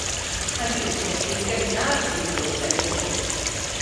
Mae hi'n tywyllu'n gynnar fin nos erbyn hyn.